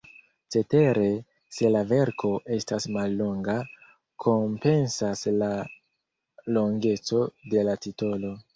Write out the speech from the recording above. Cetere, se la verko estas mallonga, kompensas la longeco de la titolo.